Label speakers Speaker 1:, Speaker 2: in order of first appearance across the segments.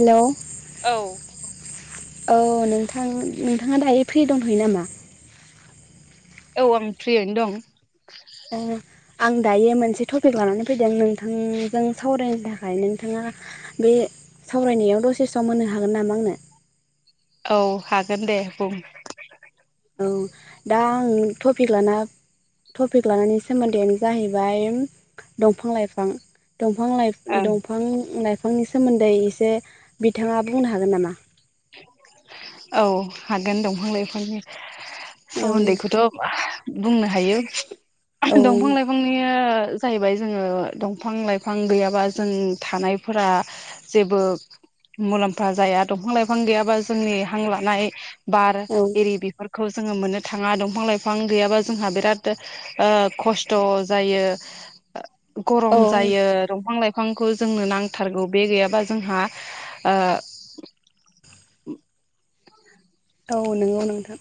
Speaker 1: हेल'
Speaker 2: औ
Speaker 1: औ नोंथां नोंथाङा दायो फ्रि दंथ'यो नामा
Speaker 2: औ आं फ्रियैनो दं
Speaker 1: औ आं दायो मोनसे टपिक लानानै फैदों नोंथांजों सावरायनो थाखाय नोंथाङा बे सावरायनायाव दसे सम होनो हागोन नामा आंनो
Speaker 2: औ हागोन दे बुं
Speaker 1: औ दा आं टपिक लाना टपिक लानायनि सोमोन्दैआनो जाहैबाय दंफां लाइफां दफां लाइ
Speaker 2: ओं
Speaker 1: दंफां लाइ फांनि सोमोन्दै एसे बिथाङा बुंनो हागोन नामा
Speaker 2: औ हागोन दंफां लाइफांनि
Speaker 1: औ
Speaker 2: सोमोन्दैखौथ' बुंनो हायो दंफां
Speaker 1: औ
Speaker 2: लाइफांनिया जाहैबाय जोङो दंफां लाइफां गैयाबा जों थानायफोरा जेबो मुलाम्फा जाया दंफां लाइफां गैयाबा जोंनि हां लानाय बार
Speaker 1: औ
Speaker 2: एरि बेफोर खौ जोङो मोननो थाङा दंफां लाइफां गैयाबा जोंहा बिराद ओ खस्थ' जायो।
Speaker 1: औ
Speaker 2: गरम जायो दंफां लाइफां बिफांखौ जोंनो नांथारगौ बे गैयाबा जोंहा ओ बे [inaudible]
Speaker 1: औ नंगौ नोंथां।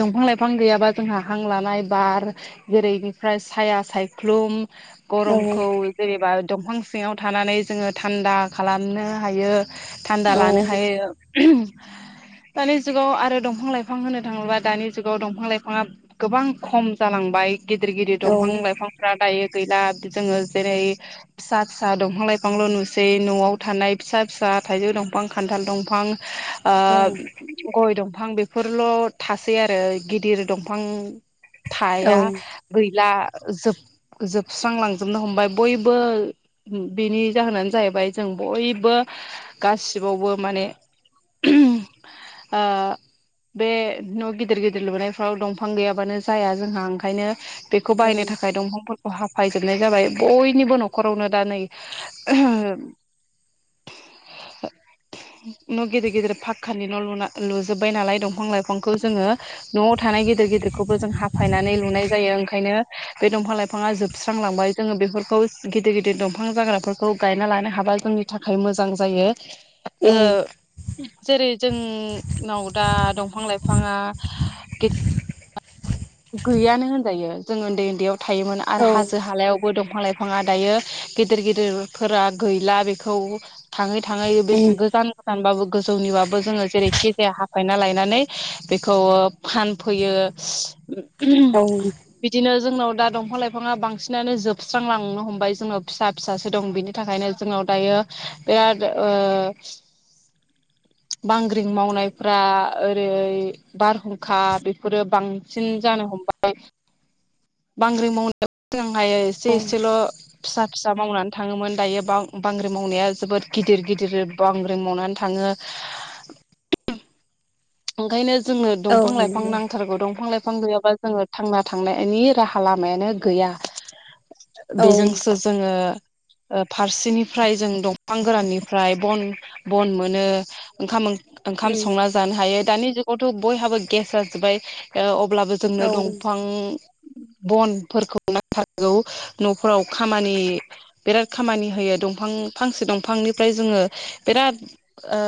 Speaker 2: दंफां लाइफां गैयाबा जोंहा हां लानाय बार जेरैनिफ्राय साया सायख्लुम
Speaker 1: औ
Speaker 2: गरमखौ जेरनिबा दंफां सिङाव थानानै जोङो थान्दा खालामनो हायो। थान्दा
Speaker 1: औ
Speaker 2: लानो हायो दानि जुगाव आरो दंफां लाइ फां होनो थाङोब्ला दानि जुगाव दंफां लाइफाङा गोबां खम जालांबाय। गिदिर गिदिर
Speaker 1: औ
Speaker 2: दंफां लाइफांफ्रा दायो गैला जोङो जेरै फिसा फिसा दंफां लाइफांल नुसै नआव थानाय फिसा फिसा थाइजौ दंफां खान्थाल दंफां
Speaker 1: औ
Speaker 2: ओ गय दंफां बेब फोरल थासै आरो गिदिर दंफां थाया
Speaker 1: औ
Speaker 2: गैला जोब जोबस्रांलांजोबनो हमबाय बयबो बेनि जाहोनानो जाहैबाय जों बयबो गासिबावबो माने आ बे न गिदिर गिदिर लुनायफ्राव दंफां गैयाबानो जाया जोंहा ओंखायनो बेखौ
Speaker 1: औ उम
Speaker 2: बायनो थाखाय दंफां फोर हाफायजोबनाय जाबाय बयनिबो नखरावनो दा नै न गिदिर गिदिर फाखखानि न लुना लुजोब्बाय नालाय दफां लाइफांखौ जोङो नआव थानाय गिदिर गिदिरखौबो जों हाफायनानै लुनाय जायो ओंखायनो बे द फां लाइफाङा जोबस्रांलांबाय जोङो बेफोरखौ गिदिर गिदिर दंफां जाग्राफोरखौ गायना लानो हाबा जोंनि थाखा खाम मोजां जायो ओ जेरै जोंनाव दा दंफां फां लाइफाङा गि गैयानो होनजायो जों ओन्दै ओन्दैयाव थायोमोन
Speaker 1: औ
Speaker 2: आरो हाजो हालायाव बो दंफां लाइफाङा दायो गिदिर गिदिरफोरा गैला बेखौ थाङै थाङै बे गोजान गोजानबाबो गोजौनिबाबो जोङो जेरैखि जाया फायना लायनानै बेखौ फानफैयो।
Speaker 1: उम
Speaker 2: बिदिनो जोंनाव दा दंफां लाइफाङा बांसिनानो जोबस्रांलांनो हमबाय जोंनाव फिसा फिसो दं बिनि थाखायनो जोंनाव दायो [unintelligible] बांग्रिं मावनायफ्रा ओरै बारहुंखा बेफोरो बां सिन जानो हमबाय बांग्रि मावनायाबो [unintelligible]
Speaker 1: औ
Speaker 2: एसे एसेल फिसा फिसा मावनानै थाङोमोन दायो बांग्रि मावनाया जोबोद गिदिर गिदिर बांग्रि मावनानै थाङो। [unintelligible] ओंखायनो जोंनो
Speaker 1: औ
Speaker 2: दंफां लाइफां नांथारगौ दंफां लाइफ फां गैयाबा जोङो थांना थांनायनि राहा लामायानो गैया।
Speaker 1: औ औ
Speaker 2: बेजोंसो जोङो ओ फारसेनिफ्राय जों दंफां गोराननिफ्राय बन बन मोनो ओंखाम ओं ओंखाम संना जानो हायो दानि जुगावथ बयहाबो गेस जाजोब्बाय ओ अ ब्लाबो जोंनो दंफां बनफोरखौ नांथारगौ न फोराव खामानि बिराद खामानि होयो। दंफां फांसे दंफांनिफ्राय जोङो बिराद ओ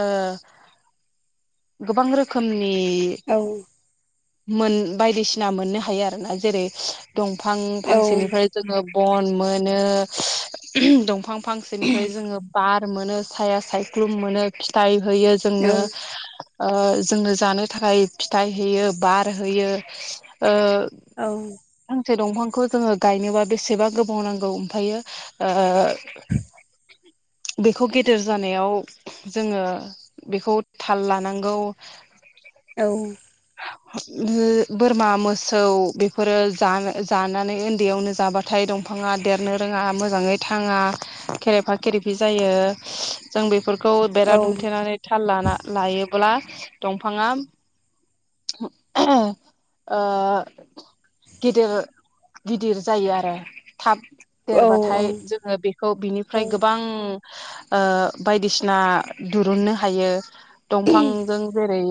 Speaker 2: गोबां रो खोमनि मोन बायदिसिना मोननो हायो आरो ना जेरै दंफां फांसेनिफ्राय जोङो बन मोनो दफां फांसेनिफ्राय जोङो बार मोनो साया सायख्लुम मोनो फिथाइ होयो जोंनो ओ जोंनो जानो थाखाय फिथाइ होयो बार होयो ओ फांसे दंफां खौ जोङो गायनोबा बेसेबा गोबाव नांगौ ओमफायो ओ। बेखौ गेदेर जानायाव जोङो बेखौ थाल लानांगौ। बोरमा मोसौ बेफोरो जानो जानानै ओन्दैयावनो जाबाथाय दं फांङा देरनो रोङा मोजाङै थाङा खेरेफा खेरेफि जायो जों बेफोरख खौ बेरा दुमथेनानै थाल लाना लायोब्ला। दंफाङा ओ। गिदिर गिदिर जायो आरो थाब देरबाथाय जोङो बेखौ बिनिफ्राय गोबां ओ बायदिसिना दिरुननो हायो दंफांजों जेरै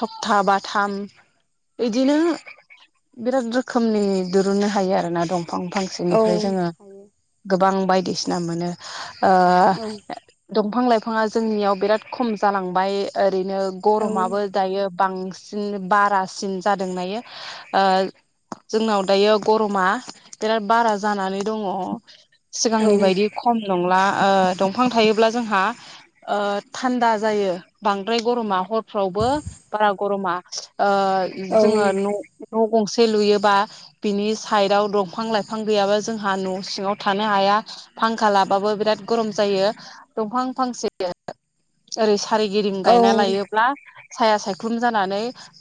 Speaker 2: थखथा बाथाम ओइदिनो बिराद रोखोमनि दिरुननो हायो आरोना दं फां फांसेनिफ्राय जोङो गोबां बायदिसिना मोनो ओ दंफां लाइफाङा जोंनियाव बिराद खम जालांबाय ओ रैनो गरमाबो दायोब बांसिन बारासिन जादों दायो ओ जोंनाव दायो गरमा बिराद बारा जानानै दङ सिगांनि बायदि खम नंला ओ दंफां थायोब्ला जोंहा ओ थान्दा ज जायो बांद्राय गरमा हरफ्रावबो बारा गरमा ओ जोङो न नख गंसे लुयोबा बिनि साइदआव दंफां लाइफां गैयाबा जोंहा न' सिङाव थानो हाया फांखा लाबाबो बिराद गरम जायो दंफां फां ओरै सारिगिदिं गायना लायोब्ला साया सायख्लुम जानानै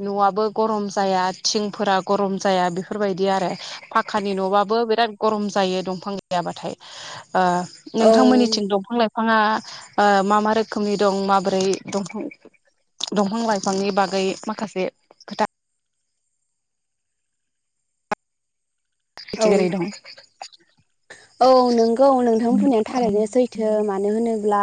Speaker 2: न'आबो गरम जाया थिंफोरा गरम जाया बेफोरबायदि आरो फाखानि न'बाबो बिराद गरम जायो दंफां गैयाबाथाय ओ
Speaker 1: औ
Speaker 2: नोंथांमोननिथिं दंफां लाइफाङा ओ मा मा रोखोमनि दं माबोरै दंफां दंफां लाइफांनि बागै माखासे खोथा
Speaker 1: औ
Speaker 2: बिथिं ओरै दं
Speaker 1: औ नोंग‌ौ नोंथां
Speaker 2: उम
Speaker 1: बुंनाया थारायैनो सैथो मानो होनो ब्ला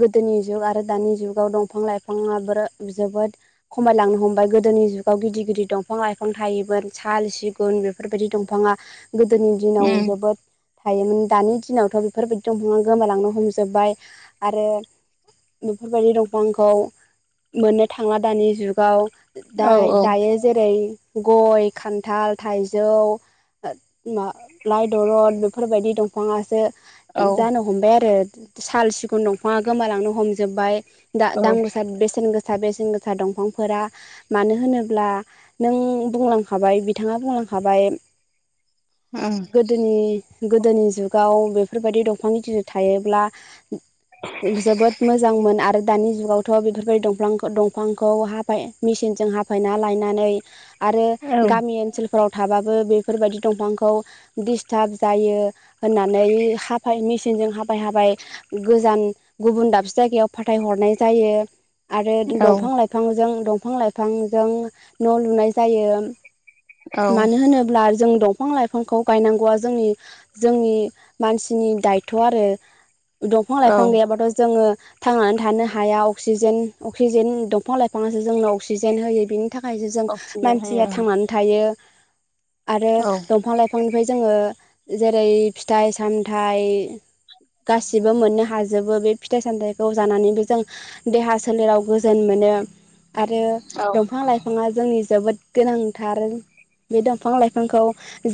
Speaker 1: गोदोनि जुग आरो दानि जुाव दंफां लाइफाङा ब्रो जोबोद खमायलां नो हमबाय गोदोनि जुगाव गिदिर गिदिर दंफां लाइफां थायोमोन साल सिगुन बेफोरबायदि दंफाङा गोदोनि दिनाव जोबोद थायोमोन दानि दिनावथ' बेफोरबायदि दंफाङा गोमालांनो हमजोबबाय आरो बेफोरबायदि दंफांखौ मोननो थांला दानि जुगाव दा
Speaker 2: औ औ
Speaker 1: दायो जेरै गय खान्थाल थाइजौ ला लाइ दलर बेफ फोरबायदि दंफाङासो
Speaker 2: औ
Speaker 1: जानो हमबाय आरो साल सिगुन दंफाङा गोमालांनो हमजोबबाय दा
Speaker 2: औ
Speaker 1: दाम गोसा बेसेन गोस सा बेसेन गोसा दंफांफोरा मानो होनोब्ला नों बुंलांखाबाय बिथाङा बुंलां खाबाय
Speaker 2: [inaudible] उम
Speaker 1: गोदोनि गोदोनि जुगाव बेफोरबायदि दंफां गिदिर थायोब्ला जोबोद मोजांमोन आरो दानि जुगावथ' बेफोरबायदि दंफां दंफांखौ हाफाय मिसिन जों हाफायना लायनानै आरो
Speaker 2: औ
Speaker 1: गामि ओनसोलफोराव थाबाबो बेफोरबायदि दंफांखौ दिस्टाब जायो होननानै हाफाय मिसिनजों हाफाय हाफाय गोजान गुबुन दाबसे जायगायाव फाथायहरनाय जायो आरो
Speaker 2: औ
Speaker 1: दंफां लाइफांजों दंफां लाइफांजों न' लुनाय जायो
Speaker 2: औ
Speaker 1: मानो होनोब्ला जों दंफां लाइफांखौ गायनांगौआ जोंनि जोंनि मानसिनि दायथ' आरो दंफां
Speaker 2: औ
Speaker 1: लाइफां गैयाबाथ' जोङो थांनानै थानो हाया अक्सिजेन अक्सिजेन दंफां लाइफाङासो जोंनो अक्सिजेन होयो बिनि थाखायसो जों
Speaker 2: अक्सिजेन होयो
Speaker 1: मानसिया थांनानै थायो आरो
Speaker 2: औ
Speaker 1: दंफां लाइफांनिफ्राय जोङो जेरै फिथाइ सामथाय गासिबो मोननो हाजोबो बे फिथाइ सामथायखौ जानानैबो जों देहा सोलेराव गोजोन मोनो नो आरो
Speaker 2: औ
Speaker 1: दंफां लाइफाङा जोंनि जोबोद गोनांथार बे दंफां लाइफांखौ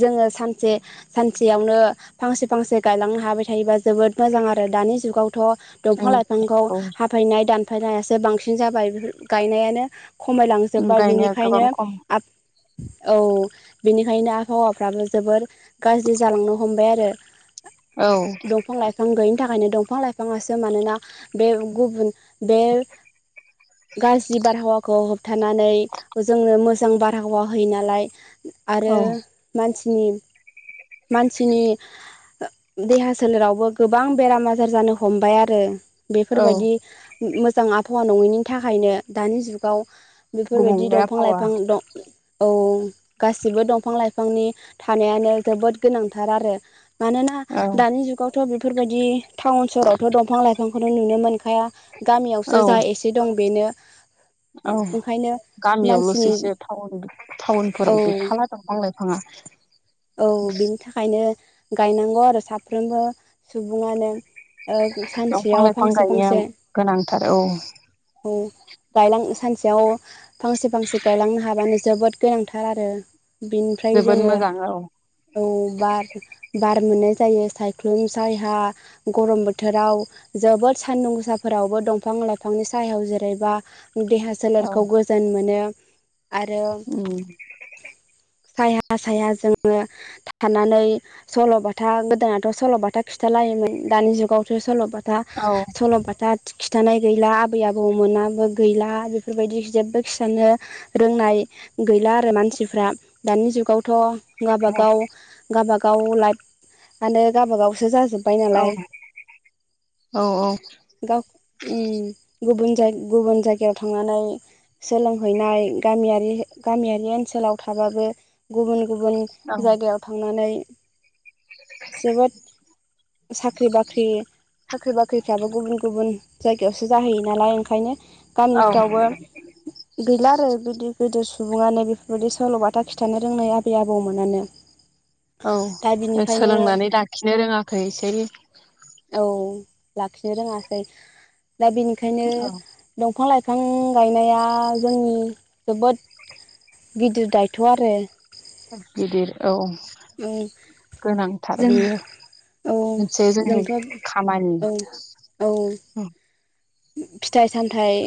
Speaker 1: जोङो सानसे सानसेयावनो फांसे फांसे गायलांनो हाबाय थायोबा जोबोद मोजां आरो दानि जुगाव थ'
Speaker 2: उम
Speaker 1: दंफां लाइफांखौ
Speaker 2: औ
Speaker 1: हाफायनाय दानफायनायासो बांसिन जाबाय बेफोर गायनायानो खमायलांजोब्बाय
Speaker 2: गायनाया
Speaker 1: बिनिखायनो
Speaker 2: गोबां खम
Speaker 1: आ औ बेनिखायनो आबहावाफ्राबो जोबोर गाज्रि जालांनो हमबाय आरो
Speaker 2: औ
Speaker 1: दंफां लाइफां गैयिनि थाखाय नो दंफां लाइफाङासो मानोना बे गुबुन बे गाज्रि बारहावाखौ होबथानानै जोंङो मोजां बारहावा होयो नालाय आरो
Speaker 2: औ
Speaker 1: मानसिनि मानसिनि देहा सोलेरावबो गोबां बेराम आजार जानो हमबाय आरो
Speaker 2: औ
Speaker 1: बेफोरबायदि मोजां आबहावा नङैनि थाखायनो दानि जुगाव बेफोरबायदि
Speaker 2: गुबुंले
Speaker 1: दंफां
Speaker 2: आबहावा
Speaker 1: लाइफां दं औ गासिबो दंफां लाइफांनि थानायानो जोबोद गोनांथार आरो मानोना
Speaker 2: औ
Speaker 1: दानि जुगावथ' बेफोरबायदि टाउन सहावथ' दंफां लाइफांखौनो नुनो मोनखा आफखाया
Speaker 2: औ
Speaker 1: गामियावसो जा एसे दं बेनो
Speaker 2: औ
Speaker 1: ओंखायनो
Speaker 2: गामियावल'सो
Speaker 1: मानसिनि
Speaker 2: एससे टाउ
Speaker 1: औ
Speaker 2: टाउनफोराव गैखाला दंफां लाइफाङा
Speaker 1: औ बिनि थाखायनो गायनांगौ आरो साफ्रोमबो सुबुङानो ओ
Speaker 2: दंफां
Speaker 1: सानसेयाव
Speaker 2: लाइफां
Speaker 1: फांसे
Speaker 2: गायनाया
Speaker 1: फांसे
Speaker 2: गोनांथार औ
Speaker 1: औ गायलां सानसेयाव फांसे फांसे गायलांनो हाबानो जोबोद गोनांथार आरो बिनिफ्राय
Speaker 2: जोबोद
Speaker 1: जोङो
Speaker 2: मोजां
Speaker 1: औ बार बार मोननाय जायो सायख्लुम सायहा गरम बोथोराव जोबोद सानदुं गोसाफोरावबो दंफां लाइफांनि सायाव जेरैबा देहा
Speaker 2: औ
Speaker 1: सोलेरखौ गोजोन मोनो आरो
Speaker 2: उम
Speaker 1: सायहा साया जों आङो थानानै सल'बाथा गोदोनाथ' सल'बाथा खिथालायोमोन दानि जुगावथ' सल'बाथा
Speaker 2: औ
Speaker 1: था सल' बाथा खिन्थानाय गैला आबै आबौमोनाबो गैला बेफोरबायदि जेबो खिथानो रोंनाय गैला आरो मानसिफ्रा दानि जुगावथ' गावाबागाव गावबागाव लाइफआनो गावाबागावसो जाजोब जोबबाय
Speaker 2: औ
Speaker 1: नालाय
Speaker 2: औ
Speaker 1: गाव उम गुबुन जाय गुबुन जायगायाव थांनानै सोलोंहैनाय गामियारि गामियारि ओनसोलाव थाबाबो गुबुन गुबुन जायगायाव थांनानै जोबोद साख्रि बाख्रि साख्रि बाख्रिफ्राबो गुबुन गुबुन जायगायावसो जाहैयो नालाय ओंखायनो
Speaker 2: औ
Speaker 1: गामिफ्रावबो गैला आरो गदिर गिदिर सु सुबुङानो बेफोरबायदि सल'बाथा खिथानो रोंनाय आबै आबौमोनानो दा
Speaker 2: औ
Speaker 1: बिनिखायनो
Speaker 2: सोलोंनानै लाखिनो रोङाखैसै
Speaker 1: औ लाखिनो रोङासखै दा बेनिखायनो
Speaker 2: औ
Speaker 1: दंफां लाइफां फां गायनाया जोंनि जोबोद गिदिर दायथ'आरो
Speaker 2: गिदिर औ गोनांथार
Speaker 1: जों
Speaker 2: बेयो
Speaker 1: औ
Speaker 2: मोनसे जोंनि
Speaker 1: जोंथ'
Speaker 2: खामानि
Speaker 1: औ औ
Speaker 2: उम
Speaker 1: फिथाइ सामथाय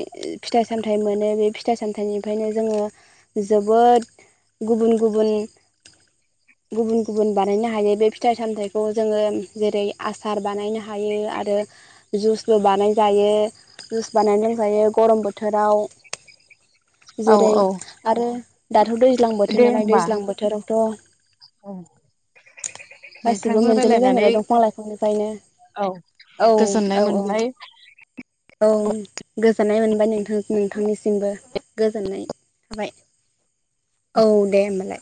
Speaker 1: फिथाइ सामथायाइ मोनो बे फिथाइ सामथाइनिफायनो जोङो जोब बोद गुबुन गुबुन
Speaker 2: [inaudible]
Speaker 1: गुबुन गुबुन बानायनो हायो बे फिथाइ सामथायाइखौ जोङो जेरै आसार बानायनो हायो आरो जुसबो बानाय जायो जुस बानायनो लोंजायो गरम बोथोराव
Speaker 2: औ
Speaker 1: जेरै
Speaker 2: औ
Speaker 1: आरो दाथ' दैज्लां बोथोर
Speaker 2: दे
Speaker 1: नालाय
Speaker 2: होमबा
Speaker 1: दैज्लां
Speaker 2: औ
Speaker 1: बोथोरावथ' गासिबो
Speaker 2: नोंथांजों
Speaker 1: मोनजोबनाय जायो
Speaker 2: रायलायनानै
Speaker 1: नालाय दंफां लाइफांनिफायनो
Speaker 2: औ
Speaker 1: औ
Speaker 2: गोजोननाय
Speaker 1: औ औ
Speaker 2: मोनबाय
Speaker 1: औ। गोजोननाय मोनबाय नोंथां नोंथांनिसिमबो गोजोननाय थाबाय। औ दे होमबालाय।